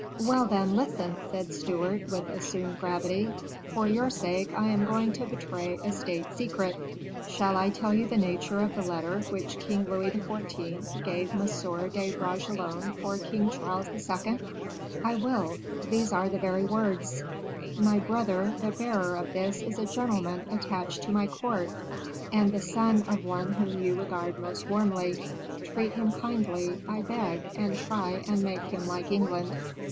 "Well, then, listen," said Stewart, with assumed gravity, "for your sake I am going to betray a state secret. Shall I tell you the nature of the letter which King Louis XIV. gave M. de Bragelonne for King Charles II.? I will; these are the very words: 'My brother, the bearer of this is a gentleman attached to my court, and the son of one whom you regard most warmly. Treat him kindly, I beg, and try and make him like England.